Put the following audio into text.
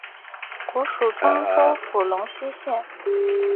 古属漳州府龙溪县。